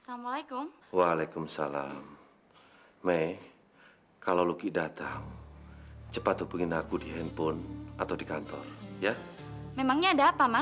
sampai jumpa di video selanjutnya